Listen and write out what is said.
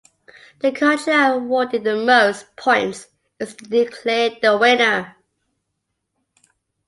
The country awarded the most points is declared the winner.